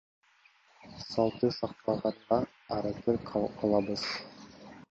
Салтты сактаганга аракет кылабыз.